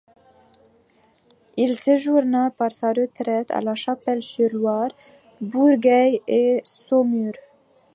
Il séjourna pour sa retraite à La Chapelle-sur-Loire, Bourgueil et Saumur.